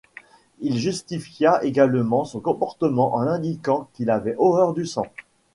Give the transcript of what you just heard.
Il justifia également son comportement en indiquant qu'il avait horreur du sang.